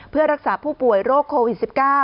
เพื่อรักษาผู้ป่วยโรคโควิด๑๙